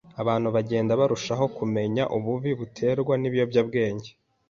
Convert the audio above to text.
Abantu bagenda barushaho kumenya ububi buterwa nibiyobyabwenge.